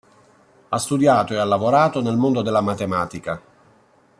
Ha studiato e ha lavorato nel mondo della matematica.